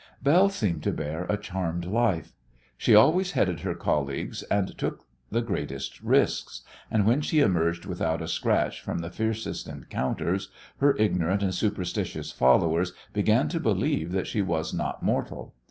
Belle seemed to bear a charmed life. She always headed her colleagues and took the greatest risks, and when she emerged without a scratch from the fiercest encounters her ignorant and superstitious followers began to believe that she was not mortal.